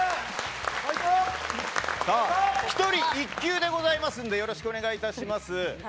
１人１球でございますのでよろしくお願いします。